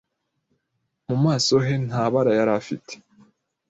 Mu maso he nta bara yari afite.